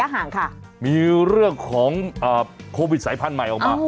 ของมันเรื่องของโควิดสายพันธุ์ใหม่ออกมาโอ้ว